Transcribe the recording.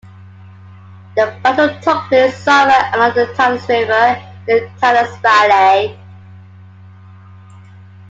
The battle took place somewhere along the Talas River in the Talas valley.